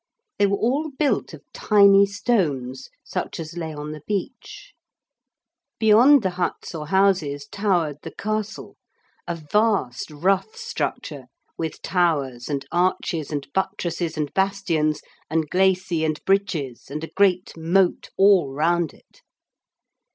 They were all built of tiny stones, such as lay on the beach. Beyond the huts or houses towered the castle, a vast rough structure with towers and arches and buttresses and bastions and glacis and bridges and a great moat all round it.